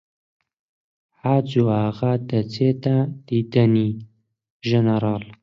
حاجۆ ئاغا دەچێتە دیدەنی ژنەراڵ